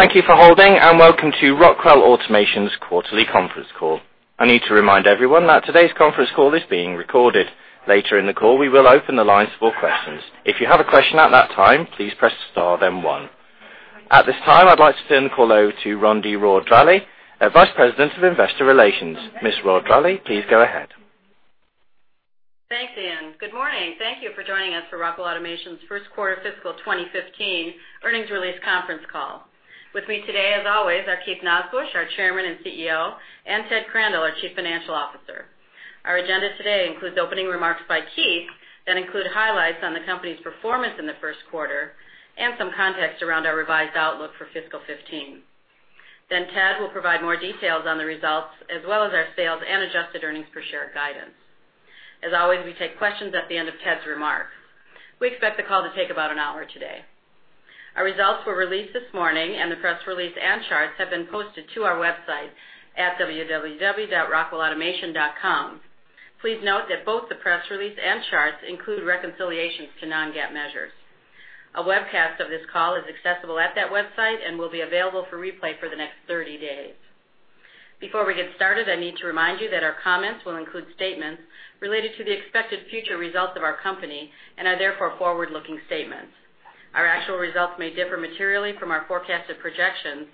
Thank you for holding, welcome to Rockwell Automation's quarterly conference call. I need to remind everyone that today's conference call is being recorded. Later in the call, we will open the lines for questions. If you have a question at that time, please press star, then one. At this time, I'd like to turn the call over to Rondi Rohr-Dralle, Vice President of Investor Relations. Ms. Rohr-Dralle, please go ahead. Thanks, Ian. Good morning. Thank you for joining us for Rockwell Automation's first quarter fiscal 2015 earnings release conference call. With me today, as always, are Keith Nosbusch, our Chairman and CEO, and Ted Crandall, our Chief Financial Officer. Our agenda today includes opening remarks by Keith that include highlights on the company's performance in the first quarter and some context around our revised outlook for fiscal 2015. Ted will provide more details on the results as well as our sales and adjusted earnings per share guidance. As always, we take questions at the end of Ted's remarks. We expect the call to take about an hour today. Our results were released this morning, the press release and charts have been posted to our website at www.rockwellautomation.com. Please note that both the press release and charts include reconciliations to non-GAAP measures. A webcast of this call is accessible at that website and will be available for replay for the next 30 days. Before we get started, I need to remind you that our comments will include statements related to the expected future results of our company and are therefore forward-looking statements. Our actual results may differ materially from our forecasted projections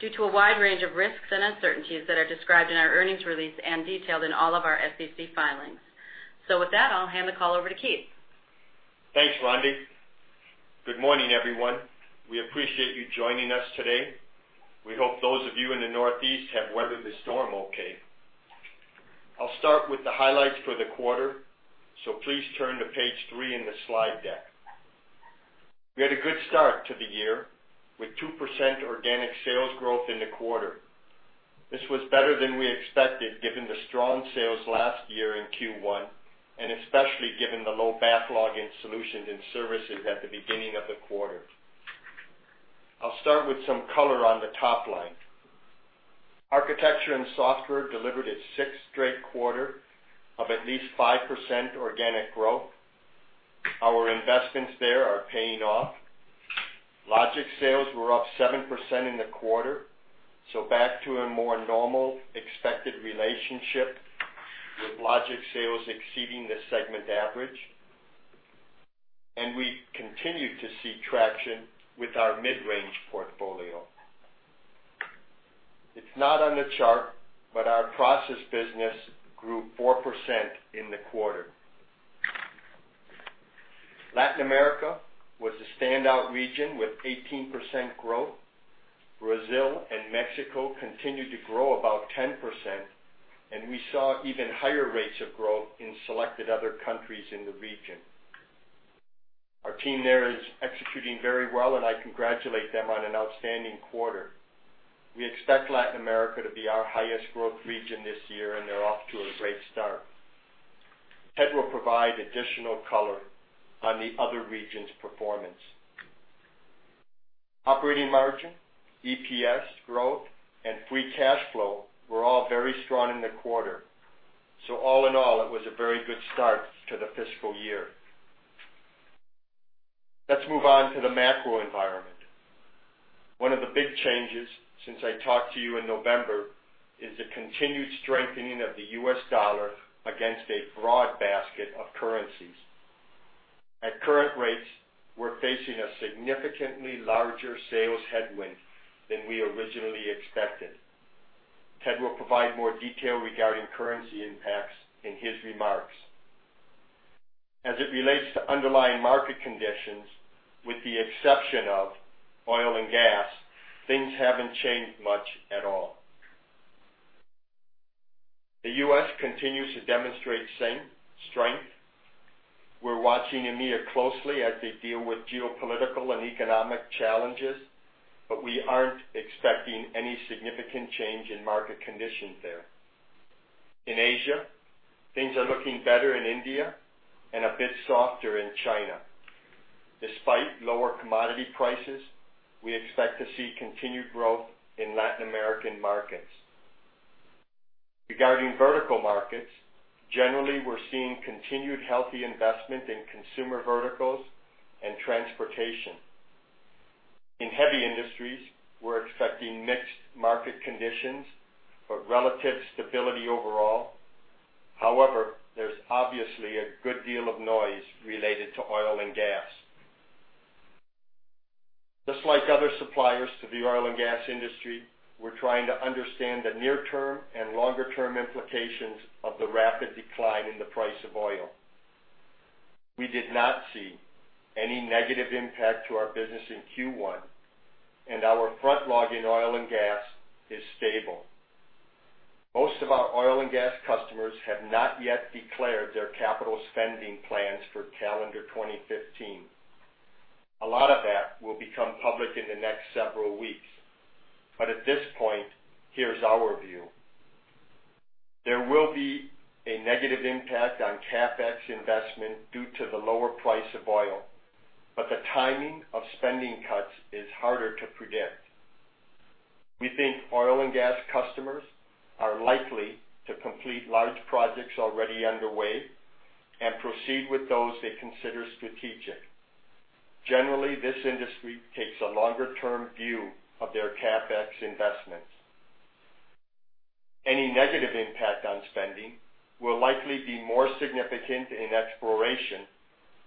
due to a wide range of risks and uncertainties that are described in our earnings release and detailed in all of our SEC filings. With that, I'll hand the call over to Keith. Thanks, Rondi. Good morning, everyone. We appreciate you joining us today. We hope those of you in the Northeast have weathered the storm okay. I'll start with the highlights for the quarter, please turn to page three in the slide deck. We had a good start to the year, with 2% organic sales growth in the quarter. This was better than we expected given the strong sales last year in Q1, especially given the low backlog in solutions and services at the beginning of the quarter. I'll start with some color on the top line. Architecture and Software delivered its sixth straight quarter of at least 5% organic growth. Our investments there are paying off. Logix sales were up 7% in the quarter, back to a more normal expected relationship, with Logix sales exceeding the segment average. We continue to see traction with our mid-range portfolio. It's not on the chart, but our process business grew 4% in the quarter. Latin America was the standout region with 18% growth. Brazil and Mexico continued to grow about 10%, and we saw even higher rates of growth in selected other countries in the region. Our team there is executing very well, and I congratulate them on an outstanding quarter. We expect Latin America to be our highest growth region this year, and they're off to a great start. Ted will provide additional color on the other regions' performance. Operating margin, EPS growth, and free cash flow were all very strong in the quarter. All in all, it was a very good start to the fiscal year. Let's move on to the macro environment. One of the big changes since I talked to you in November is the continued strengthening of the U.S. dollar against a broad basket of currencies. At current rates, we're facing a significantly larger sales headwind than we originally expected. Ted will provide more detail regarding currency impacts in his remarks. As it relates to underlying market conditions, with the exception of oil and gas, things haven't changed much at all. The U.S. continues to demonstrate strength. We're watching EMEA closely as they deal with geopolitical and economic challenges, but we aren't expecting any significant change in market conditions there. In Asia, things are looking better in India and a bit softer in China. Despite lower commodity prices, we expect to see continued growth in Latin American markets. Regarding vertical markets, generally we're seeing continued healthy investment in consumer verticals and transportation. In heavy industries, we're expecting mixed market conditions, but relative stability overall. However, there's obviously a good deal of noise related to oil and gas. Just like other suppliers to the oil and gas industry, we're trying to understand the near-term and longer-term implications of the rapid decline in the price of oil. We did not see any negative impact to our business in Q1, and our front log in oil and gas is stable. Most of our oil and gas customers have not yet declared their capital spending plans for calendar 2015. A lot of that will become public in the next several weeks. At this point, here's our view. There will be a negative impact on CapEx investment due to the lower price of oil, but the timing of spending cuts is harder to predict. We think oil and gas customers are likely to complete large projects already underway and proceed with those they consider strategic. Generally, this industry takes a longer-term view of their CapEx investments. Any negative impact on spending will likely be more significant in exploration,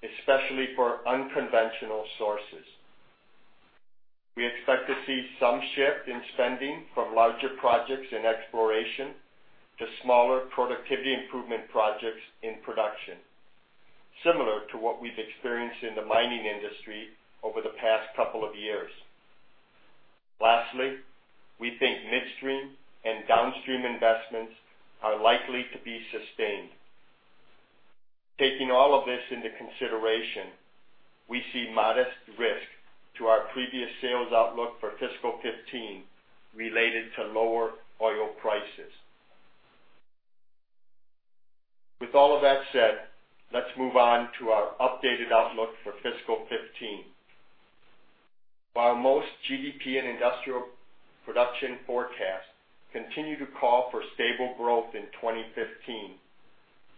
especially for unconventional sources. We expect to see some shift in spending from larger projects in exploration to smaller productivity improvement projects in production, similar to what we've experienced in the mining industry over the past couple of years. Lastly, we think midstream and downstream investments are likely to be sustained. Taking all of this into consideration, we see modest risk to our previous sales outlook for fiscal 2015 related to lower oil prices. With all of that said, let's move on to our updated outlook for fiscal 2015. While most GDP and industrial production forecasts continue to call for stable growth in 2015,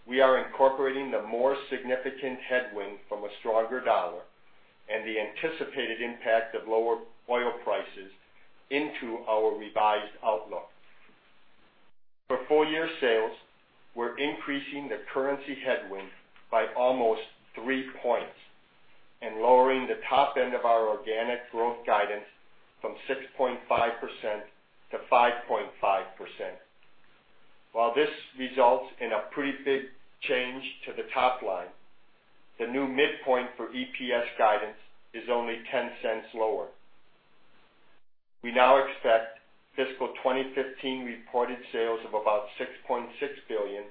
we are incorporating the more significant headwind from a stronger dollar and the anticipated impact of lower oil prices into our revised outlook. For full-year sales, we're increasing the currency headwind by almost 3 points and lowering the top end of our organic growth guidance from 6.5% to 5.5%. While this results in a pretty big change to the top line, the new midpoint for EPS guidance is only $0.10 lower. We now expect fiscal 2015 reported sales of about $6.6 billion,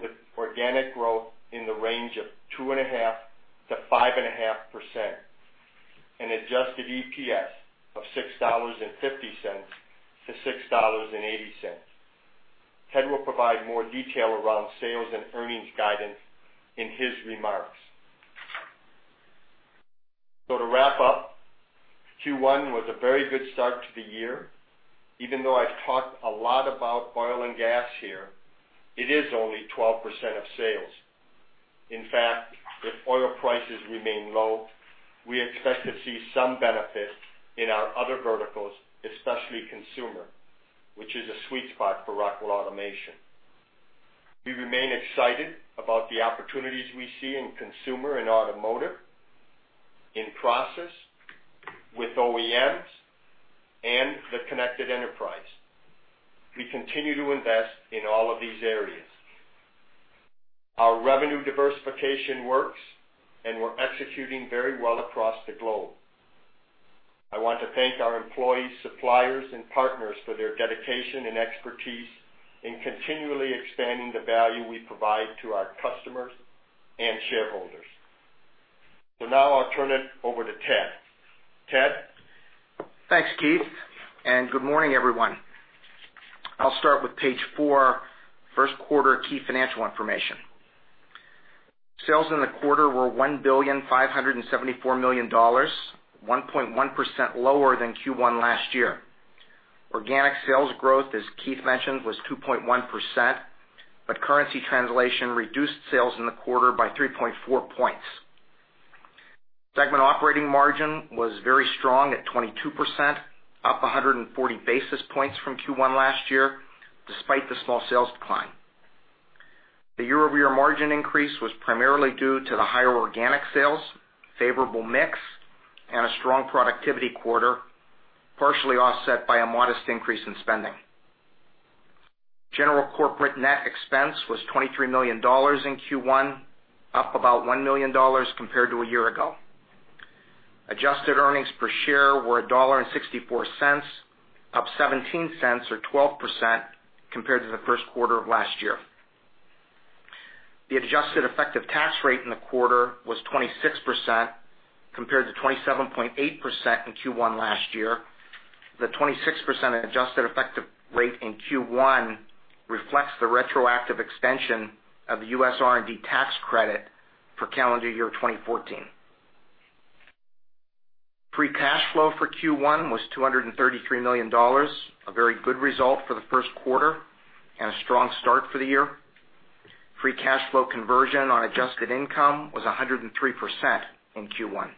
with organic growth in the range of 2.5%-5.5%, an adjusted EPS of $6.50-$6.80. Ted will provide more detail around sales and earnings guidance in his remarks. To wrap up, Q1 was a very good start to the year. Even though I've talked a lot about oil and gas here, it is only 12% of sales. In fact, if oil prices remain low, we expect to see some benefit in our other verticals, especially consumer, which is a sweet spot for Rockwell Automation. We remain excited about the opportunities we see in consumer and automotive, in process, with OEMs, and The Connected Enterprise. We continue to invest in all of these areas. Our revenue diversification works, and we're executing very well across the globe. I want to thank our employees, suppliers, and partners for their dedication and expertise in continually expanding the value we provide to our customers and shareholders. Now I'll turn it over to Ted. Ted? Thanks, Keith, good morning, everyone. I'll start with page 4, first quarter key financial information. Sales in the quarter were $1,574,000,000, 1.1% lower than Q1 last year. Organic sales growth, as Keith mentioned, was 2.1%, currency translation reduced sales in the quarter by 3.4 points. Segment operating margin was very strong at 22%, up 140 basis points from Q1 last year, despite the small sales decline. The year-over-year margin increase was primarily due to the higher organic sales, favorable mix, and a strong productivity quarter, partially offset by a modest increase in spending. General corporate net expense was $23 million in Q1, up about $1 million compared to a year ago. Adjusted earnings per share were $1.64, up $0.17 or 12% compared to the first quarter of last year. The adjusted effective tax rate in the quarter was 26%, compared to 27.8% in Q1 last year. The 26% adjusted effective rate in Q1 reflects the retroactive extension of the U.S. R&D tax credit for calendar year 2014. Free cash flow for Q1 was $233 million, a very good result for the first quarter and a strong start for the year. Free cash flow conversion on adjusted income was 103% in Q1.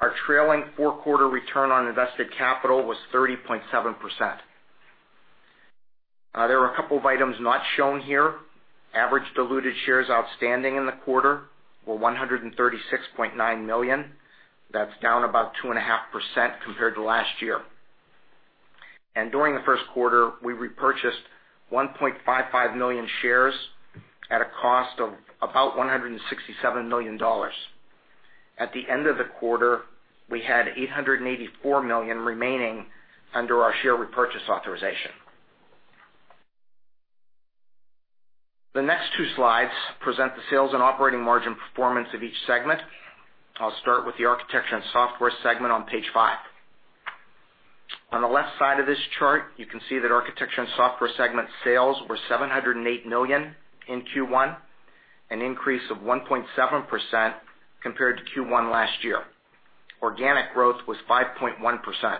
Our trailing four-quarter return on invested capital was 30.7%. There were a couple of items not shown here. Average diluted shares outstanding in the quarter were 136.9 million. That's down about 2.5% compared to last year. During the first quarter, we repurchased 1.55 million shares at a cost of about $167 million. At the end of the quarter, we had 884 million remaining under our share repurchase authorization. The next 2 slides present the sales and operating margin performance of each segment. I'll start with the Architecture and Software segment on page 5. On the left side of this chart, you can see that Architecture and Software segment sales were $708 million in Q1. An increase of 1.7% compared to Q1 last year. Organic growth was 5.1%.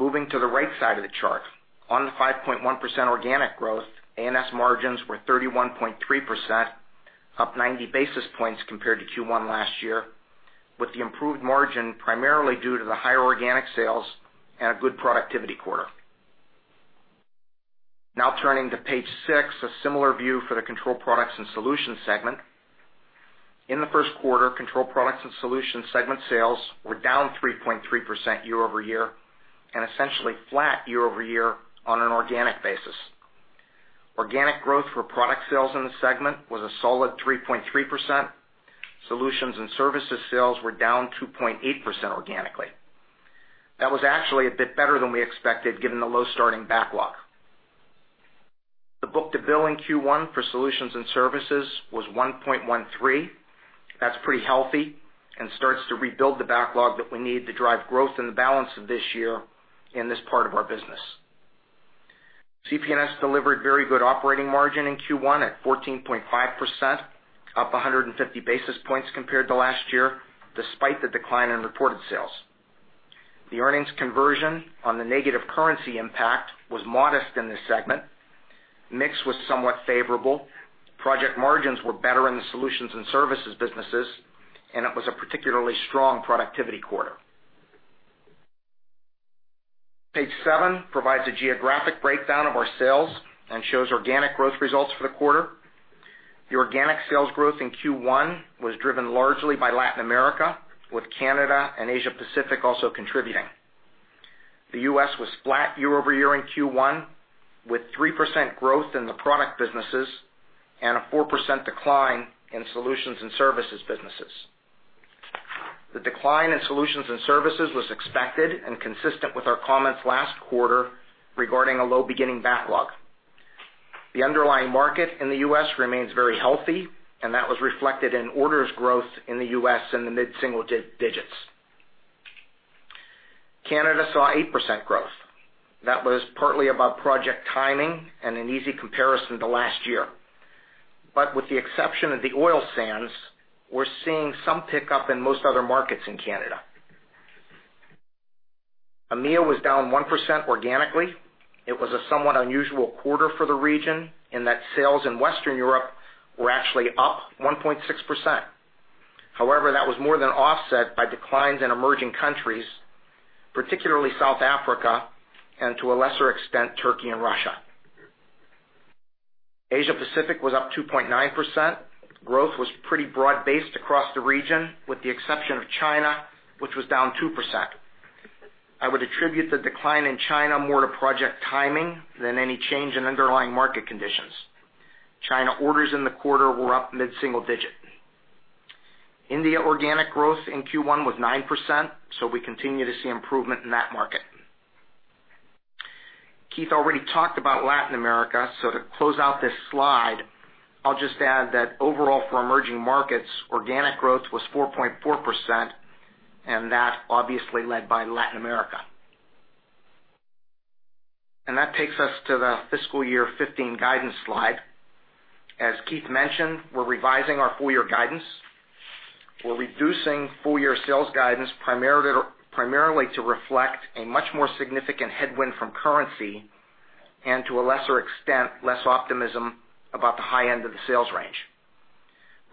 Moving to the right side of the chart. On the 5.1% organic growth, A&S margins were 31.3%, up 90 basis points compared to Q1 last year, with the improved margin primarily due to the higher organic sales and a good productivity quarter. Turning to page six, a similar view for the Control Products and Solutions segment. In the first quarter, Control Products and Solutions segment sales were down 3.3% year-over-year, and essentially flat year-over-year on an organic basis. Organic growth for product sales in the segment was a solid 3.3%. Solutions and services sales were down 2.8% organically. That was actually a bit better than we expected, given the low starting backlog. The book-to-bill in Q1 for solutions and services was 1.13. That's pretty healthy and starts to rebuild the backlog that we need to drive growth in the balance of this year in this part of our business. CP&S delivered very good operating margin in Q1 at 14.5%, up 150 basis points compared to last year, despite the decline in reported sales. The earnings conversion on the negative currency impact was modest in this segment. Mix was somewhat favorable. Project margins were better in the solutions and services businesses, and it was a particularly strong productivity quarter. Page seven provides a geographic breakdown of our sales and shows organic growth results for the quarter. The organic sales growth in Q1 was driven largely by Latin America, with Canada and Asia Pacific also contributing. The U.S. was flat year-over-year in Q1, with 3% growth in the product businesses and a 4% decline in solutions and services businesses. The decline in solutions and services was expected and consistent with our comments last quarter regarding a low beginning backlog. The underlying market in the U.S. remains very healthy, and that was reflected in orders growth in the U.S. in the mid-single digits. Canada saw 8% growth. That was partly about project timing and an easy comparison to last year. With the exception of the oil sands, we're seeing some pickup in most other markets in Canada. EMEA was down 1% organically. It was a somewhat unusual quarter for the region in that sales in Western Europe were actually up 1.6%. That was more than offset by declines in emerging countries, particularly South Africa and, to a lesser extent, Turkey and Russia. Asia Pacific was up 2.9%. Growth was pretty broad-based across the region, with the exception of China, which was down 2%. I would attribute the decline in China more to project timing than any change in underlying market conditions. China orders in the quarter were up mid-single digit. India organic growth in Q1 was 9%, so we continue to see improvement in that market. Keith already talked about Latin America. To close out this slide, I'll just add that overall for emerging markets, organic growth was 4.4%, and that obviously led by Latin America. That takes us to the fiscal year 2015 guidance slide. As Keith mentioned, we're revising our full-year guidance. We're reducing full-year sales guidance primarily to reflect a much more significant headwind from currency and, to a lesser extent, less optimism about the high end of the sales range.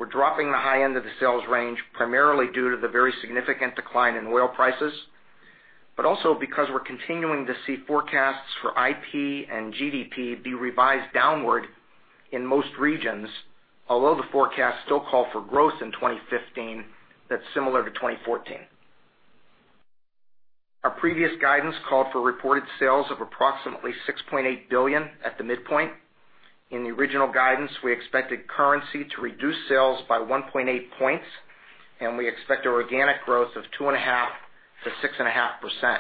We're dropping the high end of the sales range primarily due to the very significant decline in oil prices, but also because we're continuing to see forecasts for IP and GDP be revised downward in most regions. Although the forecasts still call for growth in 2015, that's similar to 2014. Our previous guidance called for reported sales of approximately $6.8 billion at the midpoint. In the original guidance, we expected currency to reduce sales by 1.8 points, and we expect organic growth of 2.5% to 6.5%.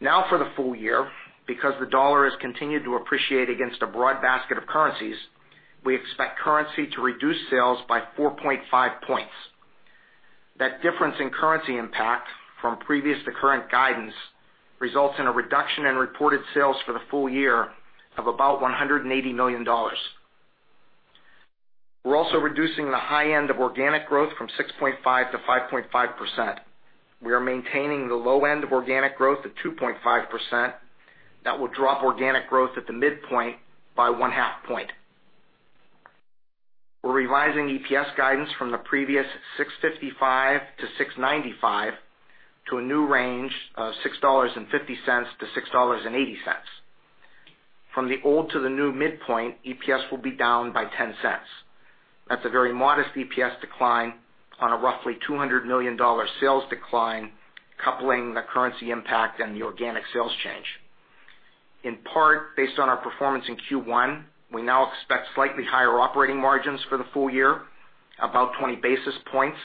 Now for the full year, because the dollar has continued to appreciate against a broad basket of currencies, we expect currency to reduce sales by 4.5 points. That difference in currency impact from previous to current guidance results in a reduction in reported sales for the full year of about $180 million. We're also reducing the high end of organic growth from 6.5% to 5.5%. We are maintaining the low end of organic growth at 2.5%. That will drop organic growth at the midpoint by one half point. We're revising EPS guidance from the previous $6.55 to $6.95 to a new range of $6.50 to $6.80. From the old to the new midpoint, EPS will be down by $0.10. That's a very modest EPS decline on a roughly $200 million sales decline, coupling the currency impact and the organic sales change. In part, based on our performance in Q1, we now expect slightly higher operating margins for the full year, about 20 basis points,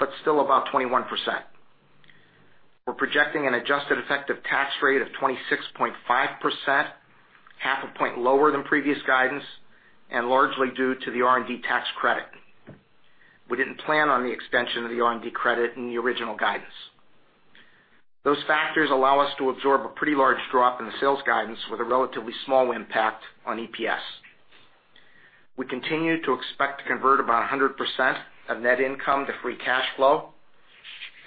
but still about 21%. We're projecting an adjusted effective tax rate of 26.5%, half a point lower than previous guidance, and largely due to the R&D tax credit. We didn't plan on the extension of the R&D credit in the original guidance. Those factors allow us to absorb a pretty large drop in the sales guidance with a relatively small impact on EPS. We continue to expect to convert about 100% of net income to free cash flow.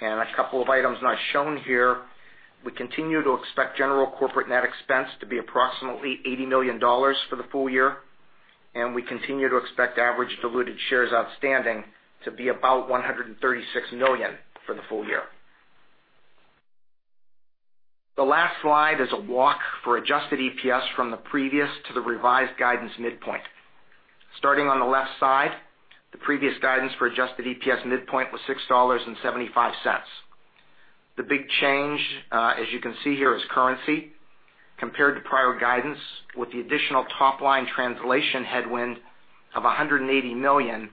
A couple of items not shown here, we continue to expect general corporate net expense to be approximately $80 million for the full year, and we continue to expect average diluted shares outstanding to be about 136 million for the full year. The last slide is a walk for adjusted EPS from the previous to the revised guidance midpoint. Starting on the left side, the previous guidance for adjusted EPS midpoint was $6.75. The big change, as you can see here, is currency compared to prior guidance with the additional top-line translation headwind of $180 million.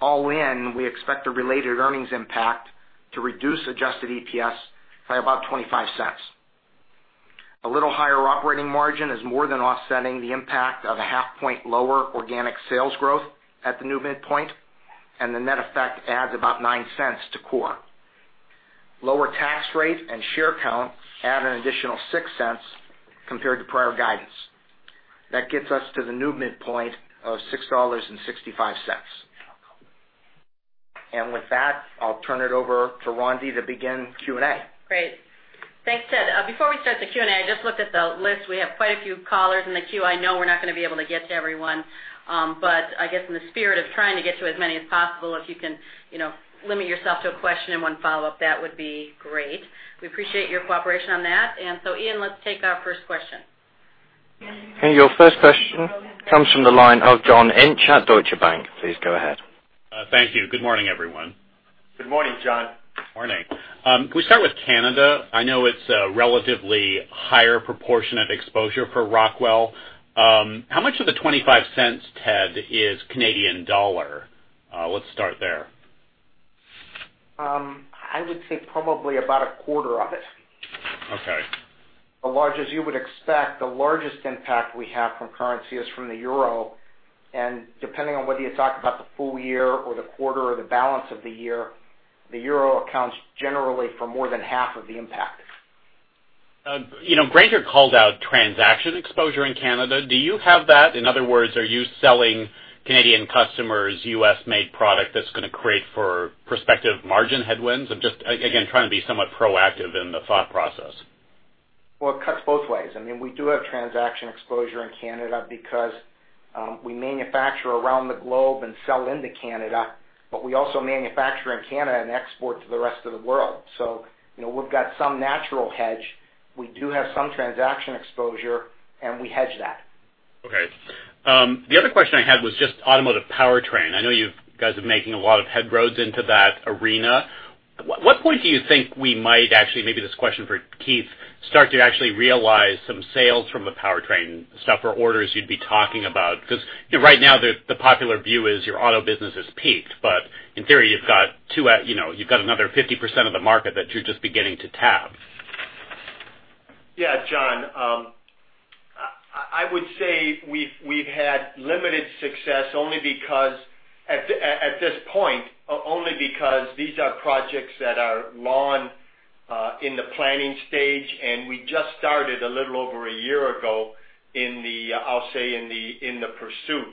All in, we expect a related earnings impact to reduce adjusted EPS by about $0.25. A little higher operating margin is more than offsetting the impact of a half point lower organic sales growth at the new midpoint, and the net effect adds about $0.09 to core. Lower tax rate and share count add an additional $0.06 compared to prior guidance. That gets us to the new midpoint of $6.65. With that, I'll turn it over to Rondi to begin Q&A. Great. Thanks, Ted. Before we start the Q&A, I just looked at the list. We have quite a few callers in the queue. I know we're not going to be able to get to everyone. I guess in the spirit of trying to get to as many as possible, if you can limit yourself to a question and one follow-up, that would be great. We appreciate your cooperation on that. Ian, let's take our first question. Your first question comes from the line of John Inch at Deutsche Bank. Please go ahead. Thank you. Good morning, everyone. Good morning, John. Morning. Can we start with Canada? I know it's a relatively higher proportion of exposure for Rockwell. How much of the $0.25, Ted, is CAD? Let's start there. I would say probably about a quarter of it. Okay. As you would expect, the largest impact we have from currency is from the EUR, depending on whether you talk about the full year or the quarter or the balance of the year, the EUR accounts generally for more than half of the impact. Grainger called out transaction exposure in Canada. Do you have that? In other words, are you selling Canadian customers U.S.-made product that's going to create for prospective margin headwinds? I'm just, again, trying to be somewhat proactive in the thought process. It cuts both ways. We do have transaction exposure in Canada because we manufacture around the globe and sell into Canada, but we also manufacture in Canada and export to the rest of the world. We've got some natural hedge. We do have some transaction exposure, and we hedge that. Okay. The other question I had was just automotive powertrain. I know you guys are making a lot of inroads into that arena. At what point do you think we might actually, maybe this question is for Keith, start to actually realize some sales from the powertrain stuff or orders you'd be talking about? Right now, the popular view is your auto business has peaked, but in theory, you've got another 50% of the market that you're just beginning to tap. Yeah, John. I would say we've had limited success at this point, only because these are projects that are long in the planning stage, and we just started a little over a year ago in the pursuit.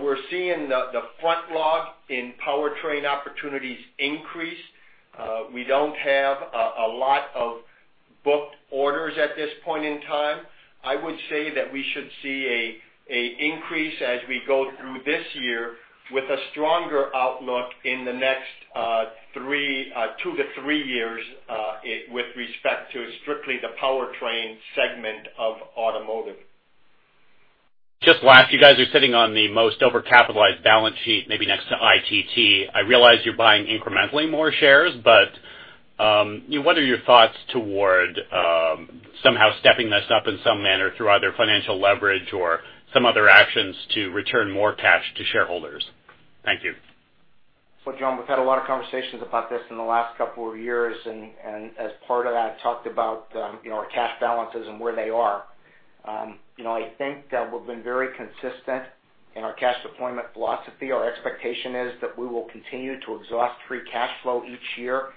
We're seeing the front log in powertrain opportunities increase. We don't have a lot of booked orders at this point in time. I would say that we should see an increase as we go through this year with a stronger outlook in the next two to three years, with respect to strictly the powertrain segment of automotive. Just last, you guys are sitting on the most overcapitalized balance sheet, maybe next to ITT. I realize you're buying incrementally more shares, but what are your thoughts toward somehow stepping this up in some manner through either financial leverage or some other actions to return more cash to shareholders? Thank you. John, we've had a lot of conversations about this in the last couple of years, and as part of that, talked about our cash balances and where they are. I think that we've been very consistent in our cash deployment philosophy. Our expectation is that we will continue to exhaust free cash flow each year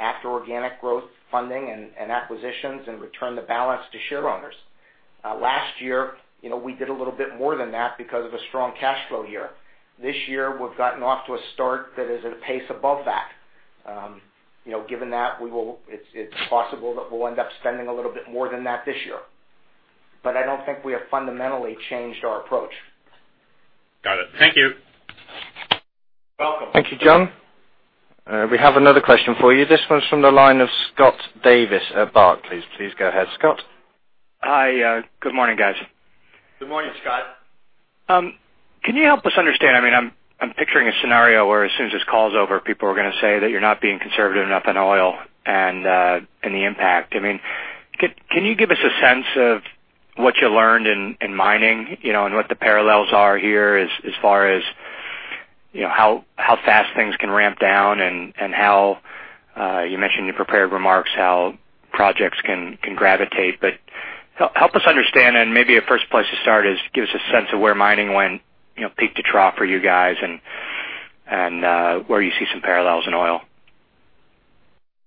after organic growth funding and acquisitions and return the balance to shareowners. Last year, we did a little bit more than that because of a strong cash flow year. This year, we've gotten off to a start that is at a pace above that. Given that, it's possible that we'll end up spending a little bit more than that this year. I don't think we have fundamentally changed our approach. Got it. Thank you. Welcome. Thank you, John. We have another question for you. This one's from the line of Scott Davis at Barclays. Please go ahead, Scott. Hi. Good morning, guys. Good morning, Scott. Can you help us understand, I'm picturing a scenario where as soon as this call is over, people are going to say that you're not being conservative enough in oil and the impact. Can you give us a sense of what you learned in mining, and what the parallels are here as far as how fast things can ramp down and how, you mentioned in your prepared remarks, how projects can gravitate? Help us understand, and maybe a first place to start is give us a sense of where mining went peak to trough for you guys. Where you see some parallels in oil?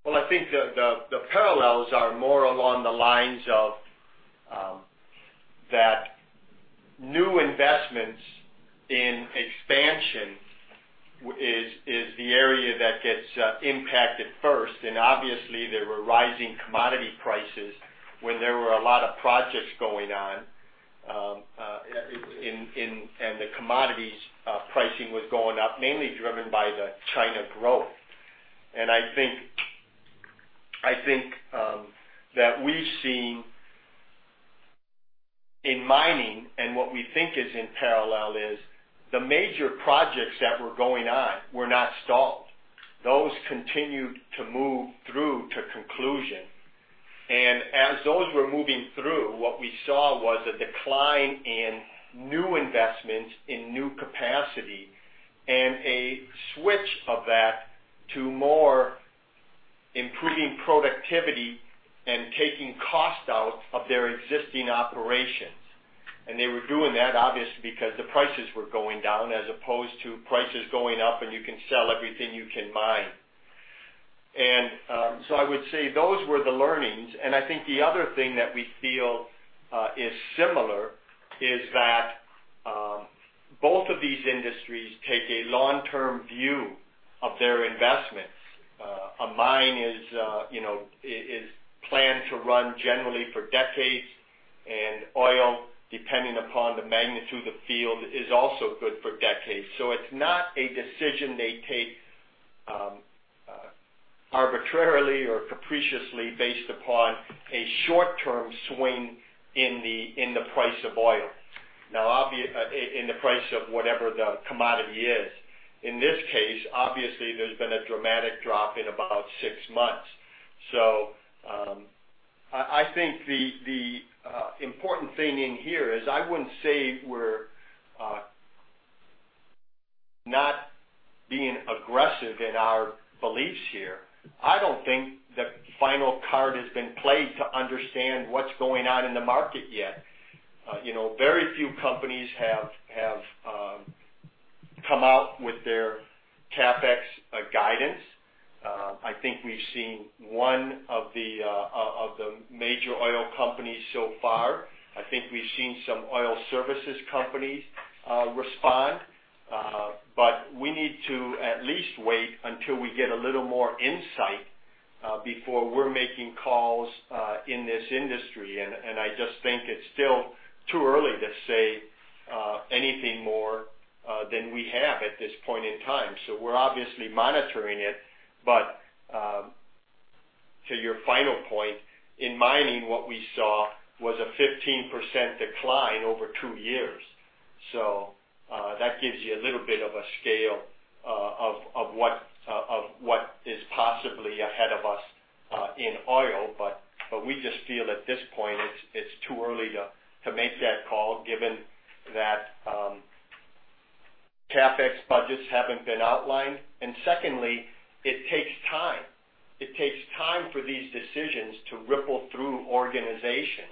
Well, I think the parallels are more along the lines of that new investments in expansion is the area that gets impacted first, and obviously, there were rising commodity prices when there were a lot of projects going on, and the commodities pricing was going up, mainly driven by the China growth. I think that we've seen in mining, and what we think is in parallel is, the major projects that were going on were not stalled. Those continued to move through to conclusion. As those were moving through, what we saw was a decline in new investments in new capacity and a switch of that to more improving productivity and taking cost out of their existing operations. They were doing that obviously because the prices were going down as opposed to prices going up and you can sell everything you can mine. I would say those were the learnings. I think the other thing that we feel is similar is that both of these industries take a long-term view of their investments. A mine is planned to run generally for decades, and oil, depending upon the magnitude of the field, is also good for decades. It's not a decision they take arbitrarily or capriciously based upon a short-term swing in the price of oil. Now, in the price of whatever the commodity is. In this case, obviously, there's been a dramatic drop in about six months. I think the important thing in here is I wouldn't say we're not being aggressive in our beliefs here. I don't think the final card has been played to understand what's going on in the market yet. Very few companies have come out with their CapEx guidance. I think we've seen one of the major oil companies so far. I think we've seen some oil services companies respond. We need to at least wait until we get a little more insight, before we're making calls in this industry. I just think it's still too early to say anything more than we have at this point in time. We're obviously monitoring it. To your final point, in mining, what we saw was a 15% decline over two years. That gives you a little bit of a scale of what is possibly ahead of us in oil. We just feel at this point it's too early to make that call given that CapEx budgets haven't been outlined. Secondly, it takes time. It takes time for these decisions to ripple through organizations.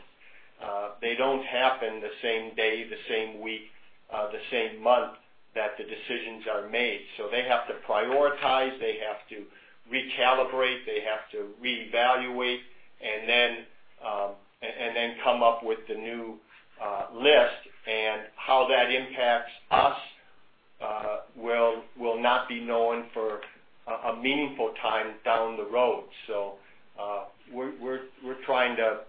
They don't happen the same day, the same week, the same month that the decisions are made. They have to prioritize, they have to recalibrate, they have to reevaluate, and then come up with the new list. How that impacts us will not be known for a meaningful time down the road. We're trying to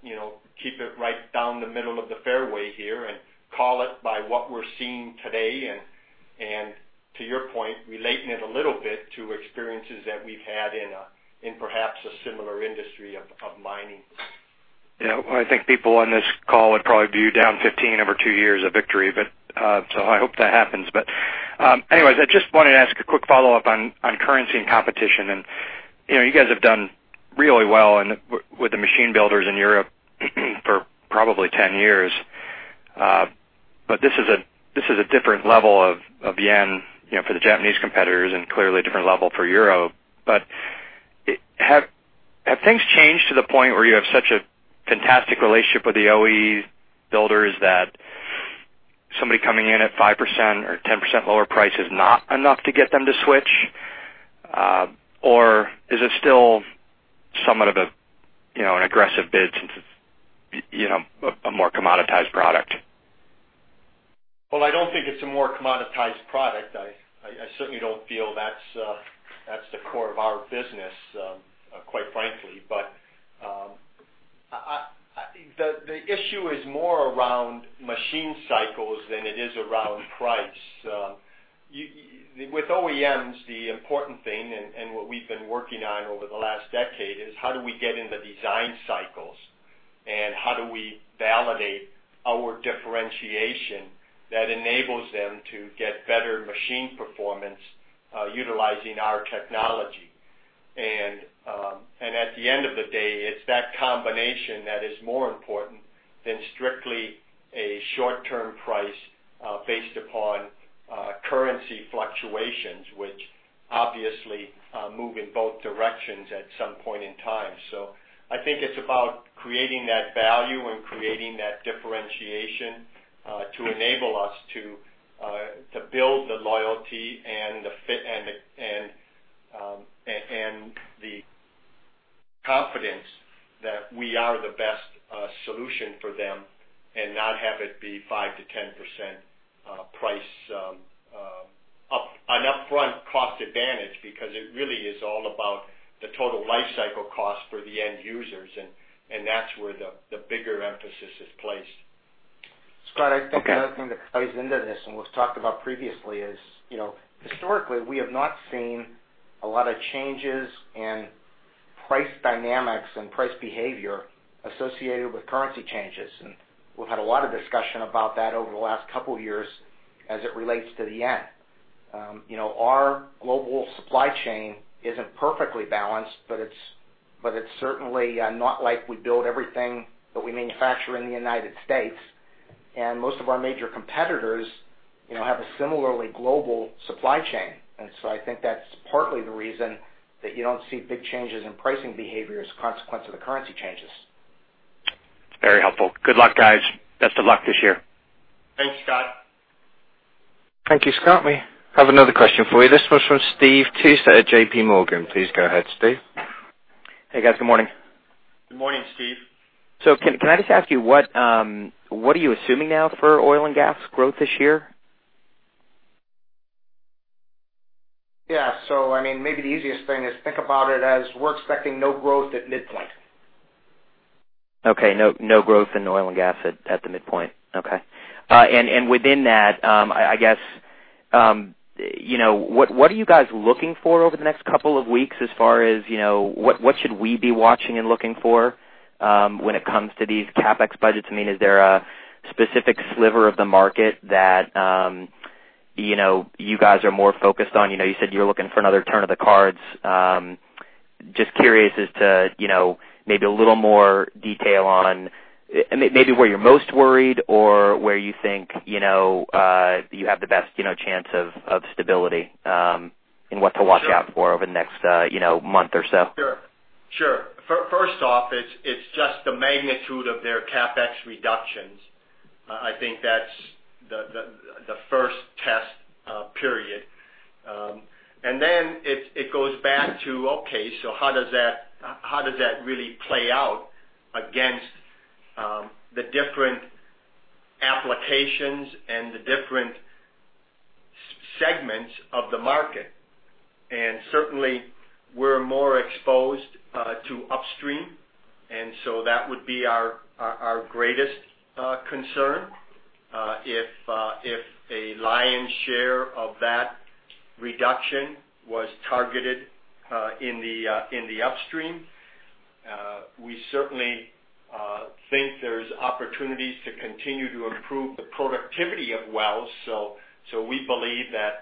keep it right down the middle of the fairway here and call it by what we're seeing today and, to your point, relating it a little bit to experiences that we've had in perhaps a similar industry of mining. Yeah. Well, I think people on this call would probably view down 15 over two years a victory, I hope that happens. Anyways, I just wanted to ask a quick follow-up on currency and competition, you guys have done really well with the machine builders in Europe for probably 10 years. This is a different level of yen for the Japanese competitors and clearly a different level for euro. Have things changed to the point where you have such a fantastic relationship with the OE builders that somebody coming in at 5% or 10% lower price is not enough to get them to switch? Or is it still somewhat of an aggressive bid since it's a more commoditized product? Well, I don't think it's a more commoditized product. I certainly don't feel that's the core of our business, quite frankly. The issue is more around machine cycles than it is around price. With OEMs, the important thing, and what we've been working on over the last decade, is how do we get in the design cycles, and how do we validate our differentiation that enables them to get better machine performance utilizing our technology. At the end of the day, it's that combination that is more important than strictly a short-term price based upon currency fluctuations which obviously move in both directions at some point in time. I think it's about creating that value and creating that differentiation to enable us to build the loyalty and the fit and the confidence that we are the best solution for them and not have it be 5%-10% price, an upfront cost advantage, because it really is all about the total life cycle cost for the end users. That's where the bigger emphasis is placed. Scott, I think the other thing that plays into this, and was talked about previously, is historically, we have not seen a lot of changes in price dynamics and price behavior associated with currency changes. We've had a lot of discussion about that over the last couple of years as it relates to the JPY. Our global supply chain isn't perfectly balanced, but it's certainly not like we build everything that we manufacture in the U.S., and most of our major competitors have a similarly global supply chain. I think that's partly the reason that you don't see big changes in pricing behavior as a consequence of the currency changes. Very helpful. Good luck, guys. Best of luck this year. Thanks, Scott. Thank you, Scott. We have another question for you. This one's from Steve Tusa at JPMorgan. Please go ahead, Steve. Hey, guys. Good morning. Good morning, Steve. Can I just ask you, what are you assuming now for oil and gas growth this year? Yeah. Maybe the easiest thing is think about it as we're expecting no growth at midpoint. Okay. No growth in oil and gas at the midpoint. Okay. Within that, what are you guys looking for over the next couple of weeks, as far as what should we be watching and looking for when it comes to these CapEx budgets? Is there a specific sliver of the market that you guys are more focused on? You said you're looking for another turn of the cards. Just curious as to maybe a little more detail on maybe where you're most worried or where you think you have the best chance of stability, and what to watch out for over the next month or so. Sure. First off, it's just the magnitude of their CapEx reductions. I think that's the first test period. Then it goes back to, okay, how does that really play out against the different applications and the different segments of the market? Certainly, we're more exposed to upstream, so that would be our greatest concern, if a lion's share of that reduction was targeted in the upstream. We certainly think there's opportunities to continue to improve the productivity of wells, so we believe that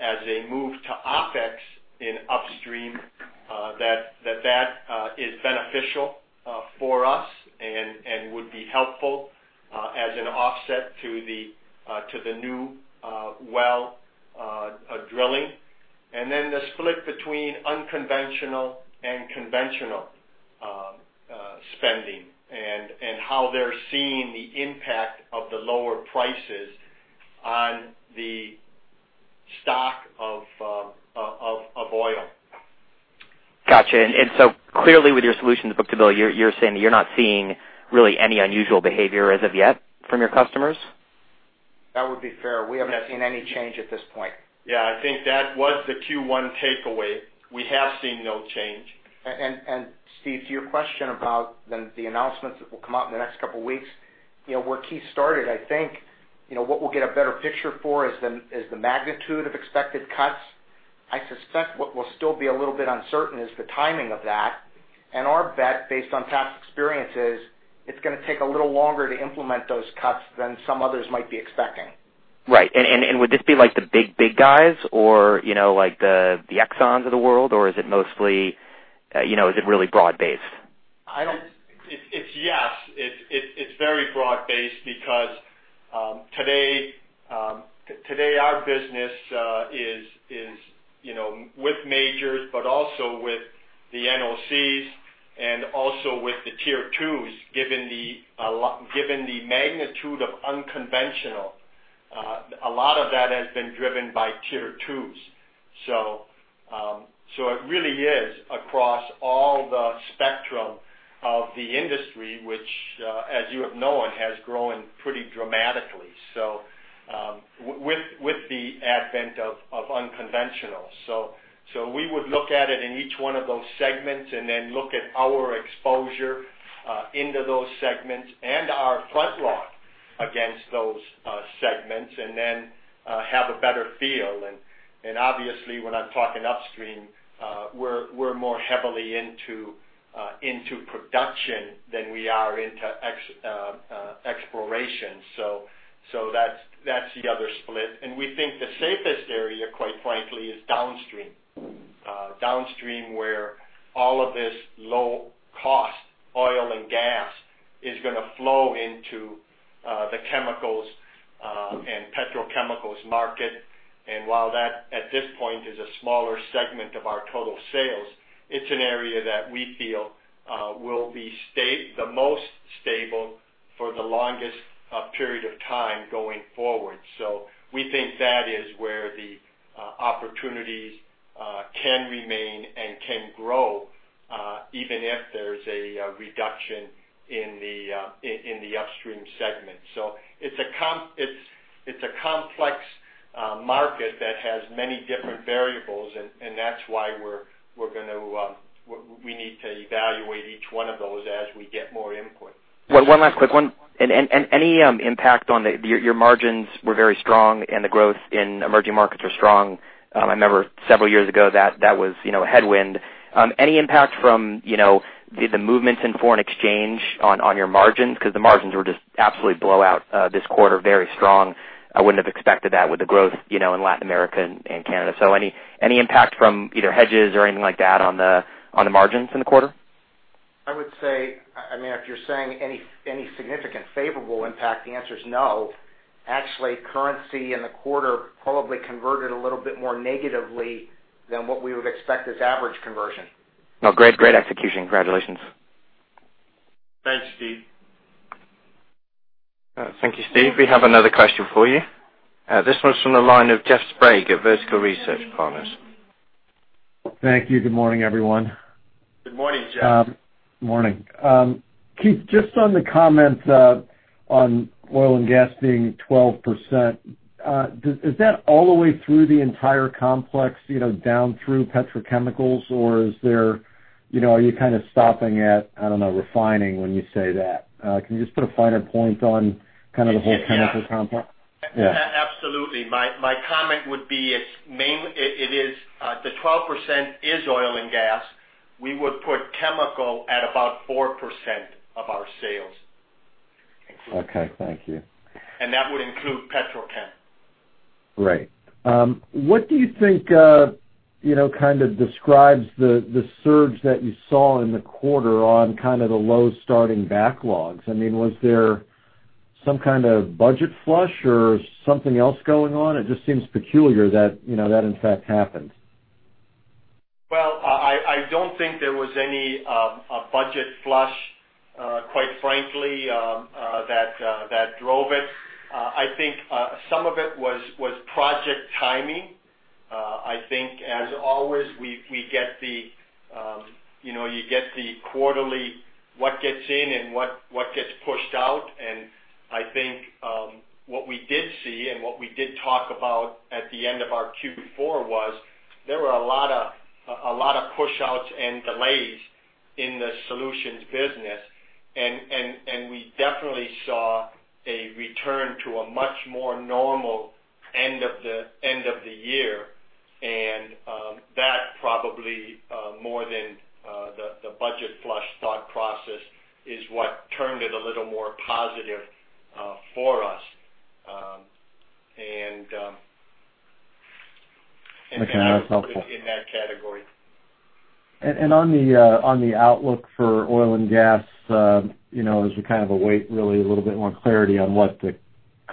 as they move to OpEx in upstream that is beneficial for us and would be helpful as an offset to the new well drilling. The split between unconventional and conventional spending and how they're seeing the impact of the lower prices on the stock of oil. Got you. Clearly with your solutions book-to-bill, you're saying that you're not seeing really any unusual behavior as of yet from your customers? That would be fair. We haven't seen any change at this point. Yeah, I think that was the Q1 takeaway. We have seen no change. Steve, to your question about the announcements that will come out in the next couple of weeks, where Keith started, I think, what we'll get a better picture for is the magnitude of expected cuts. I suspect what will still be a little bit uncertain is the timing of that, and our bet, based on past experience, is it's going to take a little longer to implement those cuts than some others might be expecting. Right. Would this be like the big, big guys, or like the Exxons of the world, or is it really broad based? It's yes. It's very broad-based because today our business is with majors, but also with the NOCs and also with the tier 2s, given the magnitude of unconventional. A lot of that has been driven by tier 2s. It really is across all the spectrum of the industry, which, as you have known, has grown pretty dramatically with the advent of unconventional. We would look at it in each one of those segments and then look at our exposure into those segments and our front log against those segments and then have a better feel. Obviously, when I'm talking upstream, we're more heavily into production than we are into exploration. That's the other split. We think the safest area, quite frankly, is downstream. Downstream, where all of this low-cost oil and gas is going to flow into the chemicals and petrochemicals market. While that, at this point, is a smaller segment of our total sales, it's an area that we feel will be the most stable for the longest period of time going forward. We think that is where the opportunities can remain and can grow, even if there's a reduction in the upstream segment. It's a complex market that has many different variables, and that's why we need to evaluate each one of those as we get more input. One last quick one. Your margins were very strong, and the growth in emerging markets are strong. I remember several years ago that was a headwind. Any impact from the movements in foreign exchange on your margins? Because the margins were just absolutely blowout this quarter, very strong. I wouldn't have expected that with the growth in Latin America and Canada. Any impact from either hedges or anything like that on the margins in the quarter? I would say, if you're saying any significant favorable impact, the answer is no. Actually, currency in the quarter probably converted a little bit more negatively than what we would expect as average conversion. No, great execution. Congratulations. Thanks, Steve. Thank you, Steve. We have another question for you. This one's from the line of Jeff Sprague at Vertical Research Partners. Thank you. Good morning, everyone. Good morning, Jeff. Morning. Keith, just on the comment on oil and gas being 12%, is that all the way through the entire complex, down through petrochemicals, or are you kind of stopping at, I don't know, refining when you say that? Can you just put a finer point on kind of the whole chemical compound? Absolutely. My comment would be, the 12% is oil and gas. We would put chemical at about 4% of our sales. Okay, thank you. That would include petrochem. Great. What do you think kind of describes the surge that you saw in the quarter on kind of the low starting backlogs? Was there some kind of budget flush or something else going on? It just seems peculiar that in fact happened. I don't think there was any budget flush, quite frankly, that drove it. I think some of it was project timing. I think, as always, you get the quarterly, what gets in and what gets pushed out, and I think what we did see and what we did talk about at the end of our Q4 was there were a lot of push-outs and delays in the solutions business, and we definitely saw a return to a much more normal end of the year, and that probably more than the budget flush thought process is what turned it a little more positive for us. That's helpful. I would put it in that category. On the outlook for oil and gas, as we kind of await really a little bit more clarity on what the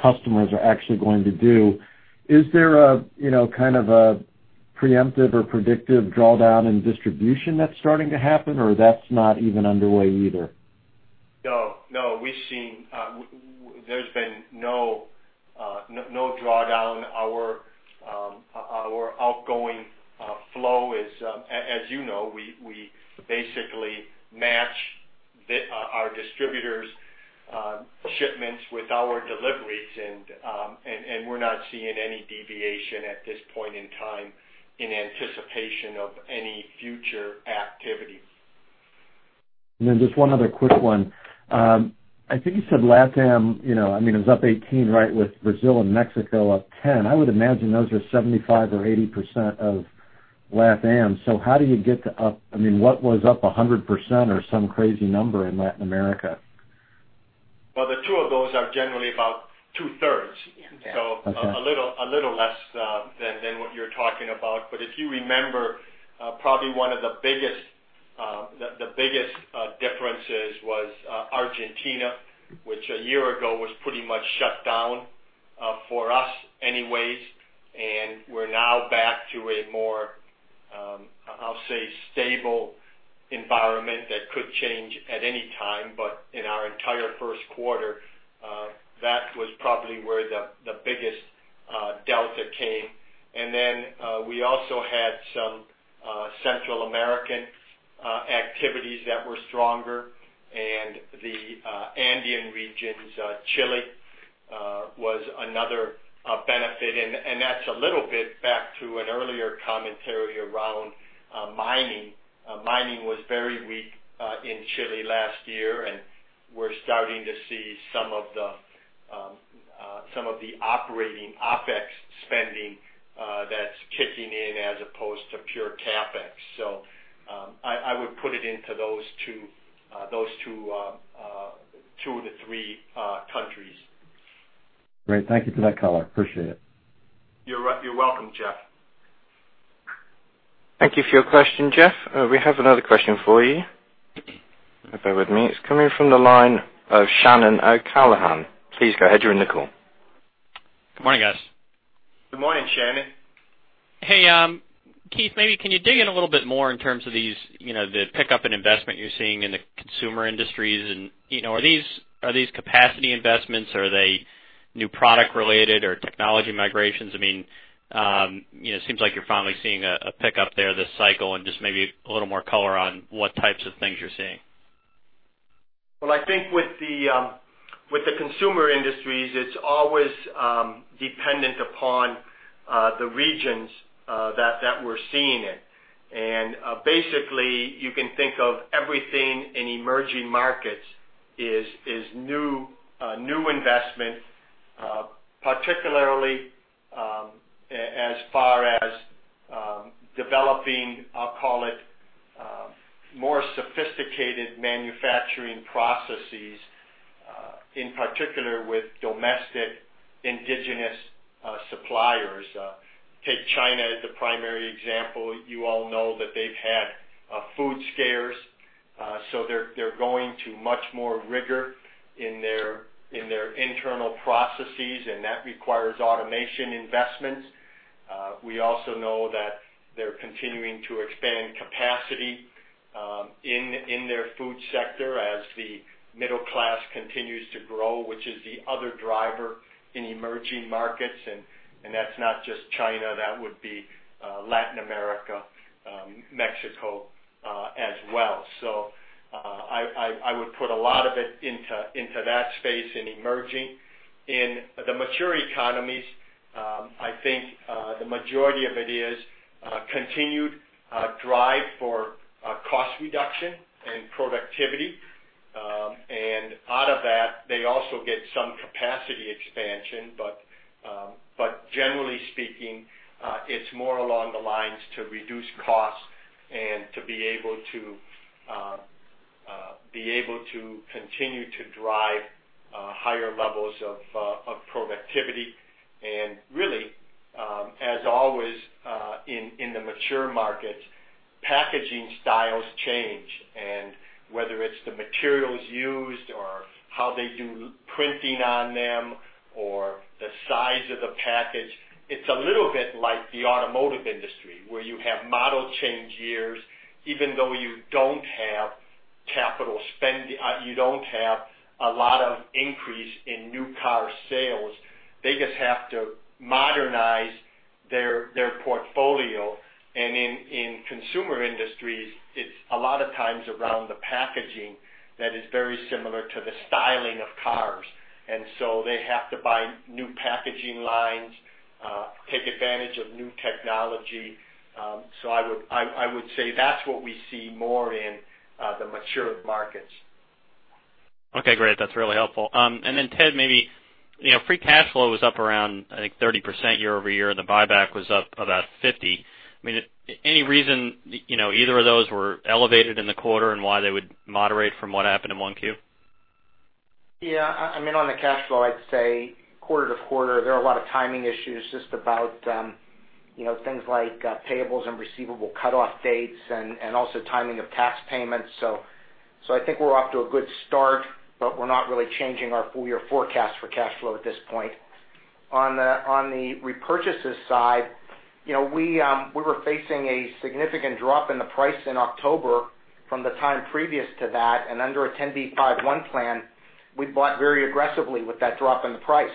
customers are actually going to do, is there a kind of a preemptive or predictive drawdown in distribution that's starting to happen, or that's not even underway either? No. There's been no drawdown. Our outgoing flow is, as you know, we basically match our distributors' shipments with our deliveries, and we're not seeing any deviation at this point in time in anticipation of any future activity. Just one other quick one. I think you said LatAm, it was up 18%, right, with Brazil and Mexico up 10%. I would imagine those are 75% or 80% of LatAm. How do you get to what was up 100% or some crazy number in Latin America? Well, the two of those are generally about two-thirds. Okay. A little less than what you're talking about. If you remember, probably one of the biggest differences was Argentina, which a year ago was pretty much shut down, for us anyways, and we're now back to a more, I'll say, stable environment that could change at any time. In our entire first quarter, that was probably where the biggest delta came. We also had some Central American activities that were stronger and the Andean regions. Chile was another benefit, and that's a little bit back to an earlier commentary around mining. Mining was very weak in Chile last year, and we're starting to see some of the operating OpEx spending that's kicking in as opposed to pure CapEx. I would put it into those two to three countries. Great. Thank you for that color. Appreciate it. You're welcome, Jeff. Thank you for your question, Jeff. We have another question for you. Bear with me. It's coming from the line of Shannon O'Callaghan. Please go ahead. You're in the call. Good morning, guys. Good morning, Shannon. Hey, Keith, maybe can you dig in a little bit more in terms of the pickup in investment you're seeing in the consumer industries. Are these capacity investments? Are they new product related or technology migrations? It seems like you're finally seeing a pickup there this cycle. Just maybe a little more color on what types of things you're seeing. Well, I think with the consumer industries, it's always dependent upon the regions that we're seeing it. Basically, you can think of everything in emerging markets is new investment, particularly, as far as developing, I'll call it, more sophisticated manufacturing processes, in particular with domestic indigenous suppliers. Take China as the primary example. You all know that they've had food scares, they're going to much more rigor in their internal processes, that requires automation investments. We also know that they're continuing to expand capacity in their food sector as the middle class continues to grow, which is the other driver in emerging markets, that's not just China, that would be Latin America, Mexico as well. I would put a lot of it into that space in emerging. In the mature economies, I think, the majority of it is continued drive for cost reduction and productivity. Out of that, they also get some capacity expansion. Generally speaking, it's more along the lines to reduce costs and to be able to continue to drive higher levels of productivity. Really, as always, in the mature markets, packaging styles change, whether it's the materials used or how they do printing on them or the size of the package, it's a little bit like the automotive industry, where you have model change years, even though you don't have a lot of increase in new car sales. They just have to modernize their portfolio. In consumer industries, it's a lot of times around the packaging that is very similar to the styling of cars. They have to buy new packaging lines, take advantage of new technology. I would say that's what we see more in the mature markets. Okay, great. That's really helpful. Then Ted, maybe, free cash flow was up around, I think, 30% year-over-year, the buyback was up about 50%. Any reason either of those were elevated in the quarter, and why they would moderate from what happened in 1Q? Yeah. On the cash flow, I'd say quarter-to-quarter, there are a lot of timing issues just about things like payables and receivable cutoff dates and also timing of tax payments. I think we're off to a good start, but we're not really changing our full year forecast for cash flow at this point. On the repurchases side, we were facing a significant drop in the price in October from the time previous to that. Under a Rule 10b5-1 plan, we bought very aggressively with that drop in the price.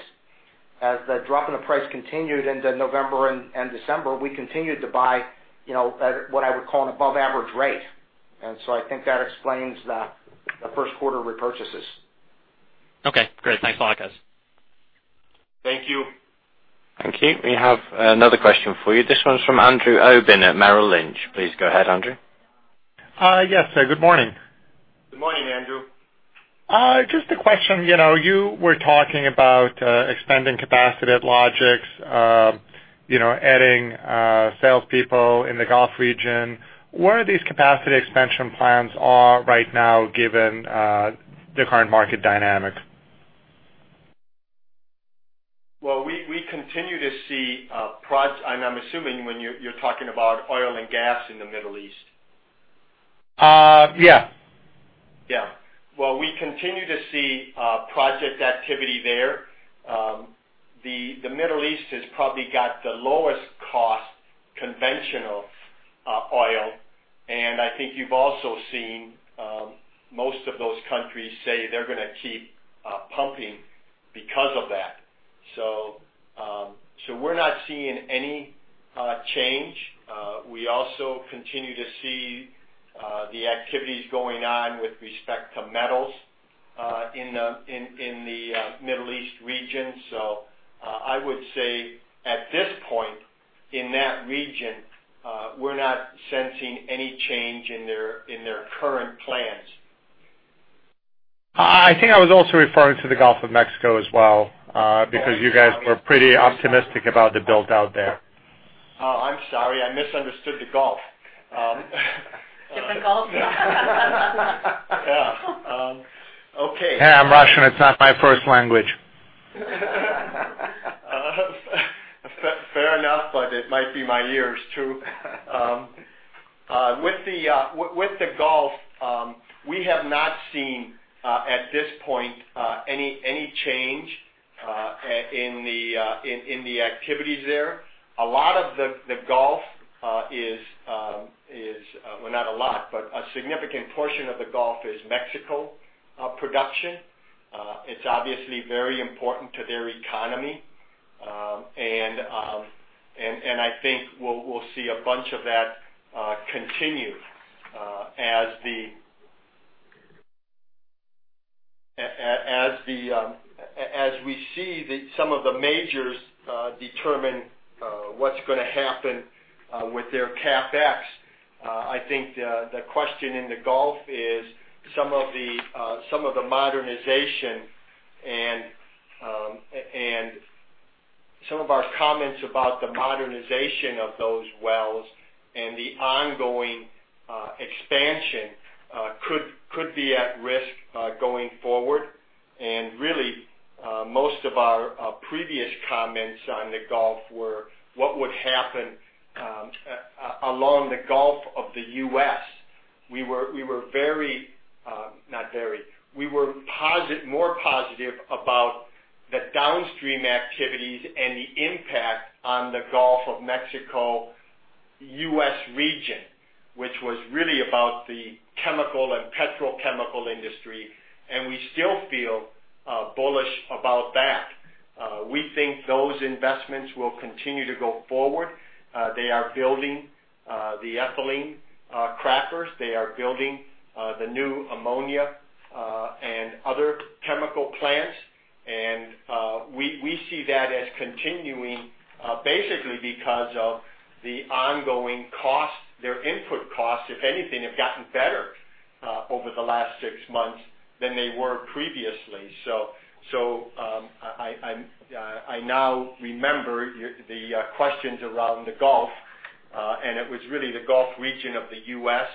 As the drop in the price continued into November and December, we continued to buy at what I would call an above average rate. I think that explains the first quarter repurchases. Okay, great. Thanks a lot, guys. Thank you. Thank you. We have another question for you. This one's from Andrew Obin at Merrill Lynch. Please go ahead, Andrew. Yes. Good morning. Good morning, Andrew. Just a question. You were talking about expanding capacity at Logix, adding salespeople in the Gulf region. Where are these capacity expansion plans right now given the current market dynamics? Well, we continue to see. I'm assuming when you're talking about oil and gas in the Middle East. Yeah. Yeah. Well, we continue to see project activity there. The Middle East has probably got the lowest cost conventional oil. I think you've also seen most of those countries say they're going to keep pumping because of that. We're not seeing any change. We also continue to see the activities going on with respect to metals in the Middle East region. I would say at this point in that region, we're not sensing any change in their current plans. I think I was also referring to the Gulf of Mexico as well, because you guys were pretty optimistic about the build-out there. Oh, I'm sorry. I misunderstood the Gulf. Different Gulf? Yeah. Okay. Yeah, I'm Russian, it's not my first language. Fair enough, it might be my ears, too. With the Gulf, we have not seen, at this point, any change in the activities there. A lot of the Gulf is, well, not a lot, but a significant portion of the Gulf is Mexico production. It's obviously very important to their economy, and I think we'll see a bunch of that continue as we see some of the majors determine what's going to happen with their CapEx. I think the question in the Gulf is some of the modernization, and some of our comments about the modernization of those wells and the ongoing expansion could be at risk going forward. Really, most of our previous comments on the Gulf were what would happen along the Gulf of the U.S. We were more positive about the downstream activities and the impact on the Gulf of Mexico, U.S. region, which was really about the chemical and petrochemical industry. We still feel bullish about that. We think those investments will continue to go forward. They are building the ethylene crackers. They are building the new ammonia and other chemical plants. We see that as continuing, basically because of the ongoing cost. Their input costs, if anything, have gotten better over the last six months than they were previously. I now remember the questions around the Gulf, and it was really the Gulf region of the U.S.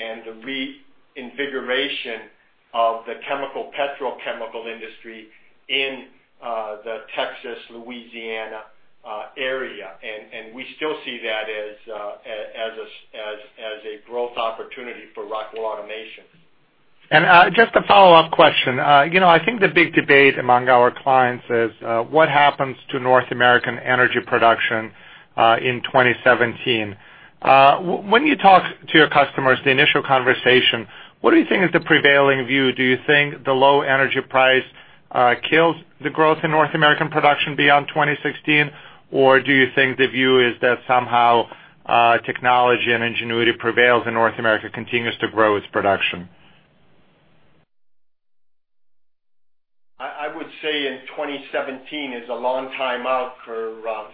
and the reinvigoration of the chemical, petrochemical industry in the Texas, Louisiana area. We still see that as a growth opportunity for Rockwell Automation. Just a follow-up question. I think the big debate among our clients is what happens to North American energy production in 2017. When you talk to your customers, the initial conversation, what do you think is the prevailing view? Do you think the low energy price kills the growth in North American production beyond 2016? Do you think the view is that somehow technology and ingenuity prevails and North America continues to grow its production? I would say in 2017 is a long time out for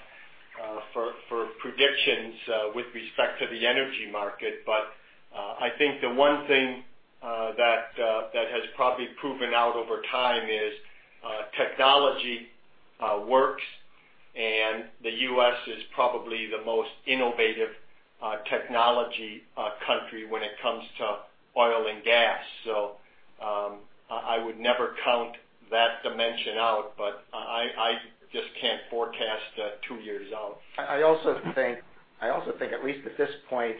predictions with respect to the energy market. I think the one thing that has probably proven out over time is technology works, and the U.S. is probably the most innovative technology country when it comes to oil and gas. I would never count that dimension out, but I just can't forecast two years out. I also think, at least at this point,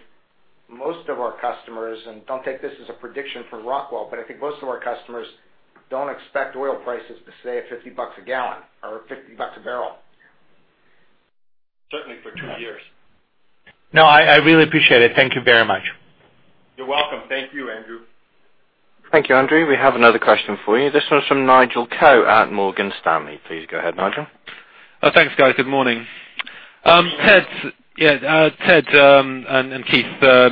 most of our customers, and don't take this as a prediction for Rockwell, but I think most of our customers don't expect oil prices to stay at $50 a gallon or $50 a barrel. Certainly for two years. I really appreciate it. Thank you very much. You're welcome. Thank you, Andrew. Thank you, Andrew. We have another question for you. This one's from Nigel Coe at Morgan Stanley. Please go ahead, Nigel. Thanks, guys. Good morning. Ted and Keith,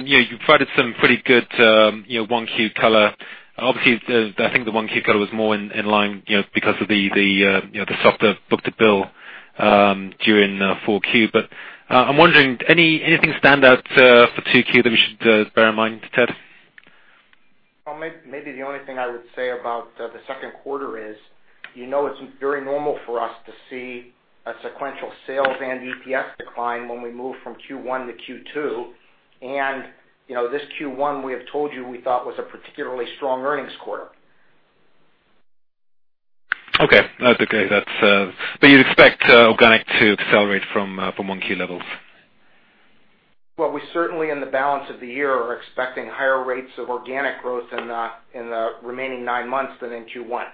you provided some pretty good 1Q color. Obviously, I think the 1Q color was more in line because of the softer book-to-bill during 4Q. I'm wondering, anything stand out for 2Q that we should bear in mind, Ted? Maybe the only thing I would say about the second quarter is, you know it's very normal for us to see a sequential sales and EPS decline when we move from Q1 to Q2. This Q1, we have told you we thought was a particularly strong earnings quarter. Okay. You expect organic to accelerate from 1Q levels? Well, we certainly, in the balance of the year, are expecting higher rates of organic growth in the remaining nine months than in Q1.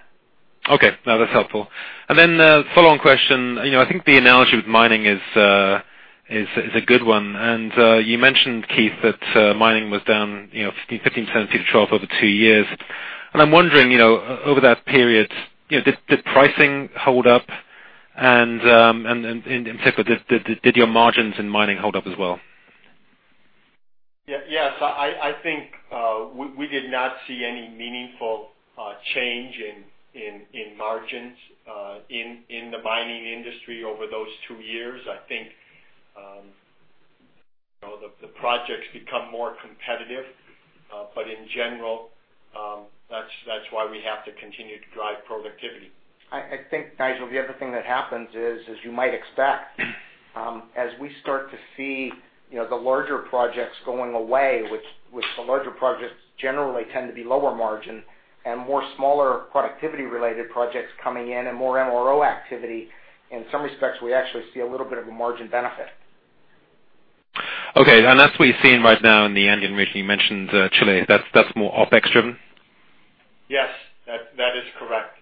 Okay. No, that's helpful. Then a follow-on question. I think the analogy with mining is a good one. You mentioned, Keith, that mining was down 15%, 17% trough over two years. I'm wondering, over that period, did pricing hold up? In particular, did your margins in mining hold up as well? Yes. I think we did not see any meaningful change in margins in the mining industry over those two years. The projects become more competitive, in general, that's why we have to continue to drive productivity. I think, Nigel, the other thing that happens is as you might expect, as we start to see the larger projects going away, which the larger projects generally tend to be lower margin, and more smaller productivity-related projects coming in and more MRO activity, in some respects, we actually see a little bit of a margin benefit. Okay. That's what you're seeing right now in the Andean region you mentioned Chile. That's more OpEx driven? Yes, that is correct.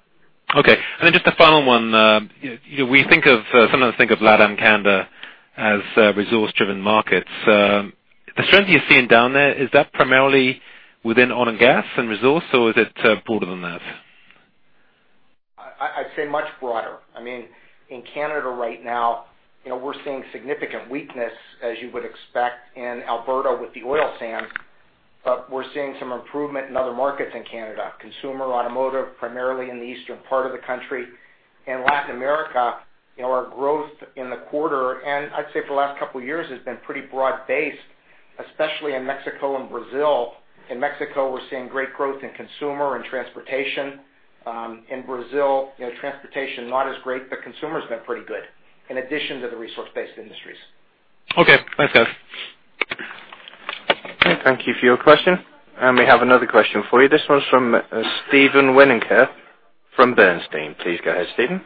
Okay. Then just the final one. We sometimes think of LATAM Canada as resource-driven markets. The strength you're seeing down there, is that primarily within oil and gas and resource, or is it broader than that? I'd say much broader. In Canada right now, we're seeing significant weakness as you would expect in Alberta with the oil sands, but we're seeing some improvement in other markets in Canada, consumer, automotive, primarily in the eastern part of the country. In Latin America, our growth in the quarter, and I'd say for the last couple of years, has been pretty broad-based, especially in Mexico and Brazil. In Mexico, we're seeing great growth in consumer and transportation. In Brazil, transportation not as great, but consumer's been pretty good in addition to the resource-based industries. Okay. Thanks, guys. Thank you for your question. We have another question for you. This one's from Steven Winoker from Bernstein. Please go ahead, Steven.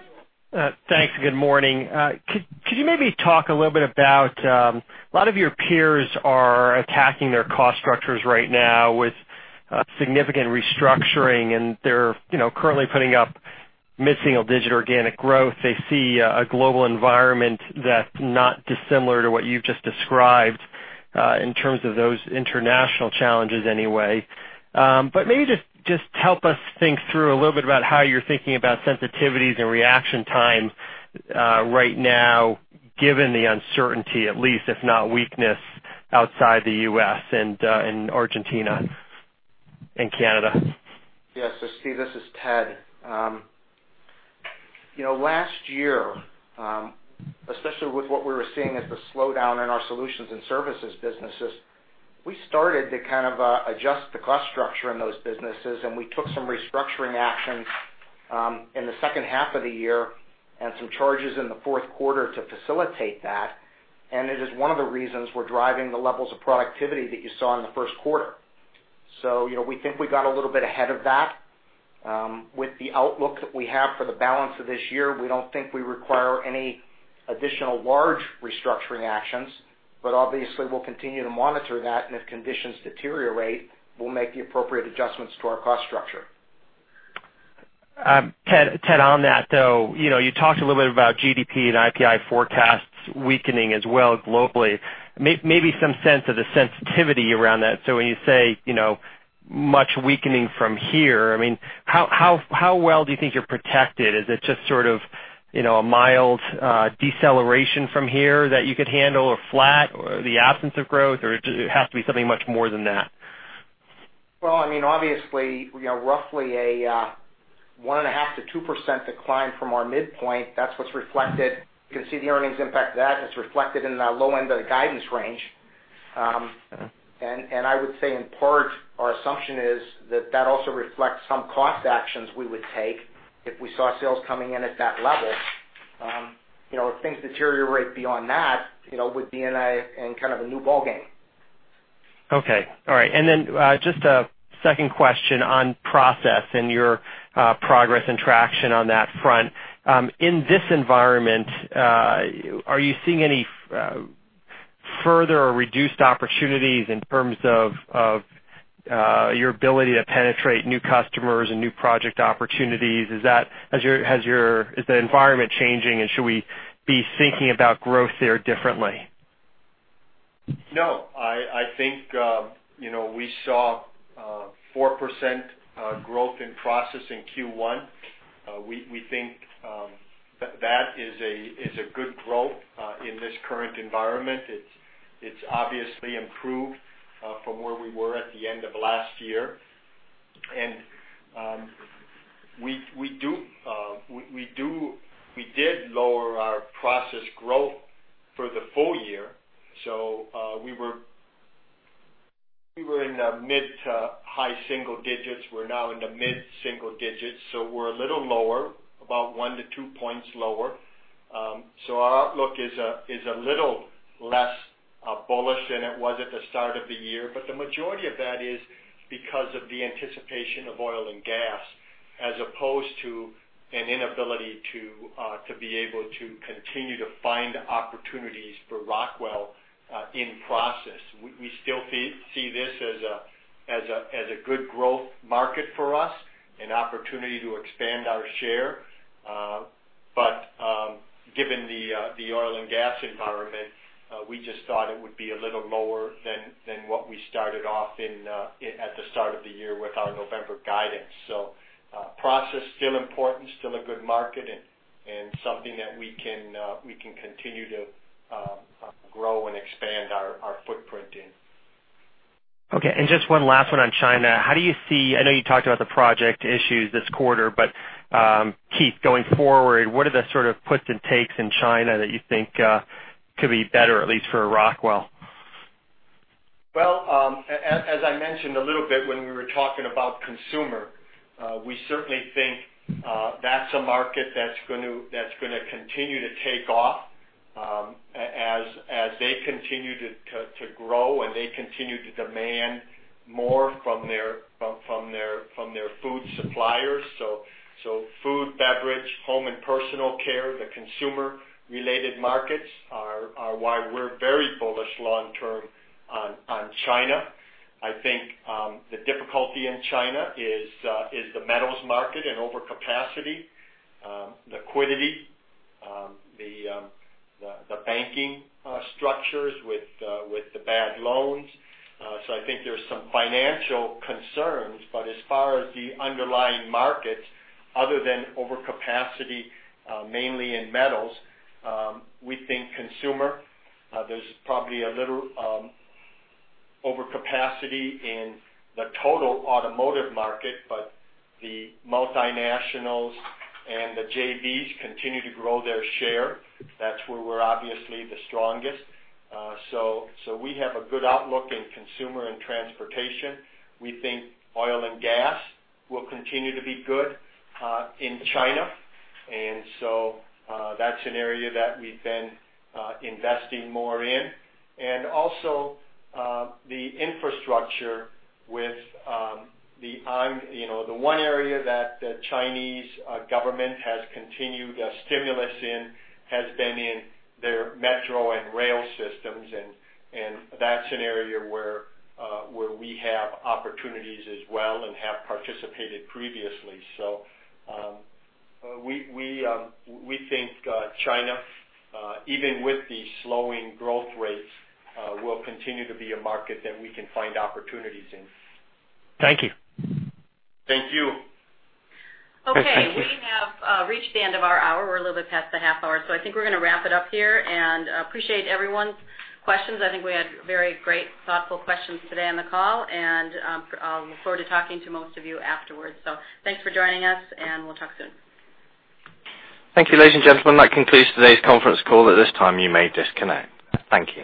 Thanks. Good morning. Could you maybe talk a little bit about, a lot of your peers are attacking their cost structures right now with significant restructuring, and they're currently putting up missing a digit organic growth. They see a global environment that's not dissimilar to what you've just described, in terms of those international challenges anyway. Maybe just help us think through a little bit about how you're thinking about sensitivities and reaction time right now, given the uncertainty, at least, if not weakness outside the U.S. and in Argentina and Canada. Yes. Steve, this is Ted. Last year, especially with what we were seeing as the slowdown in our solutions and services businesses, we started to kind of adjust the cost structure in those businesses, and we took some restructuring actions in the second half of the year and some charges in the fourth quarter to facilitate that. It is one of the reasons we're driving the levels of productivity that you saw in the first quarter. We think we got a little bit ahead of that. With the outlook that we have for the balance of this year, we don't think we require any additional large restructuring actions, but obviously we'll continue to monitor that, and if conditions deteriorate, we'll make the appropriate adjustments to our cost structure. Ted, on that, though, you talked a little bit about GDP and IPI forecasts weakening as well globally. Maybe some sense of the sensitivity around that. When you say, much weakening from here, how well do you think you're protected? Is it just sort of a mild deceleration from here that you could handle or flat or the absence of growth, or it has to be something much more than that? Obviously, roughly a 1.5%-2% decline from our midpoint. That's what's reflected. You can see the earnings impact of that is reflected in the low end of the guidance range. I would say in part, our assumption is that that also reflects some cost actions we would take if we saw sales coming in at that level. If things deteriorate beyond that, we'd be in kind of a new ballgame. Okay. All right. Then, just a second question on process and your progress and traction on that front. In this environment, are you seeing any further or reduced opportunities in terms of your ability to penetrate new customers and new project opportunities? Is the environment changing and should we be thinking about growth there differently? I think we saw 4% growth in process in Q1. We think that is a good growth in this current environment. It is obviously improved from where we were at the end of last year. We did lower our process growth for the full year. We were in the mid to high single digits. We are now in the mid-single digits. We are a little lower, about 1 to 2 points lower. Our outlook is a little less bullish than it was at the start of the year, but the majority of that is because of the anticipation of oil and gas as opposed to an inability to be able to continue to find opportunities for Rockwell in process. We still see this as a good growth market for us and opportunity to expand our share. Given the oil and gas environment, we just thought it would be a little lower than what we started off at the start of the year with our November guidance. Process still important, still a good market and something that we can continue to grow and expand our footprint in. Just one last one on China. I know you talked about the project issues this quarter, Keith, going forward, what are the sort of puts and takes in China that you think could be better, at least for Rockwell? As I mentioned a little bit when we were talking about consumer, we certainly think that is a market that is going to continue to take off as they continue to grow and they continue to demand more from their food suppliers. Food, beverage, home and personal care, the consumer-related markets are why we are very bullish long-term on China. I think the difficulty in China is the metals market and overcapacity, liquidity, the banking structures with the bad loans. I think there are some financial concerns, as far as the underlying markets, other than overcapacity, mainly in metals, we think consumer, there is probably a little overcapacity in the total automotive market, the multinationals and the JVs continue to grow their share. That is where we are obviously the strongest. We have a good outlook in consumer and transportation. We think oil and gas will continue to be good in China, that's an area that we've been investing more in. The infrastructure with the one area that the Chinese government has continued a stimulus in has been in their metro and rail systems, that's an area where we have opportunities as well and have participated previously. We think China, even with the slowing growth rates, will continue to be a market that we can find opportunities in. Thank you. Thank you. We have reached the end of our hour. We're a little bit past the half hour, I think we're going to wrap it up here, appreciate everyone's questions. I think we had very great, thoughtful questions today on the call, I look forward to talking to most of you afterwards. Thanks for joining us, we'll talk soon. Thank you, ladies and gentlemen. That concludes today's conference call. At this time, you may disconnect. Thank you.